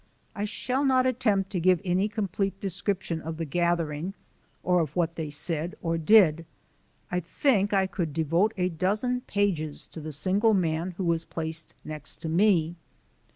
I shall not attempt to give any complete description of the gathering or of what they said or did. I think I could devote a dozen pages to the single man who was placed next to me.